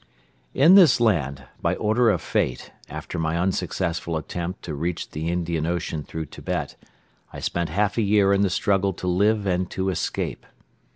In this land, by order of Fate, after my unsuccessful attempt to reach the Indian Ocean through Tibet, I spent half a year in the struggle to live and to escape.